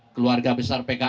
keluarga besar besar jakarta